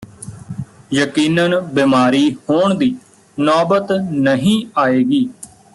ਯਕੀਨਨ ਬੀਮਾਰੀ ਹੋਣ ਦੀ ਨੌਬਤ ਨਹੀਂ ਆਏਗੀ